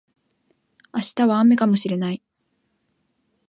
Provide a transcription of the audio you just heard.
明日は雨かもしれない